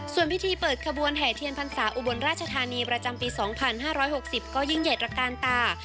ส่วนพิธีเปิดขบวนแห่เทียนพรรษาอุบลราชธานีประจำปี๒๕๖๐ก็ยิ่งใหญ่ตระกาลตา